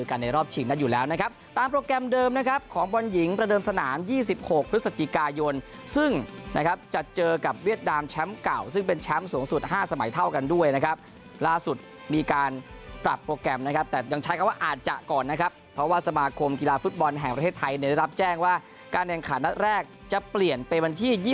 กันในรอบชิงนั้นอยู่แล้วนะครับตามโปรแกรมเดิมนะครับของบรรยิงประเดิมสนาม๒๖พฤศจิกายนซึ่งนะครับจะเจอกับเวียดดามแชมป์เก่าซึ่งเป็นแชมป์สูงสุด๕สมัยเท่ากันด้วยนะครับล่าสุดมีการปรับโปรแกรมนะครับแต่ยังใช้คำว่าอาจจะก่อนนะครับเพราะว่าสมาคมกีฬาฟุตบอลแห่งประเทศไทยในร